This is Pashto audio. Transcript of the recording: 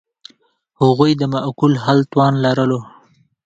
هغوی د معقول حل توان لرلو.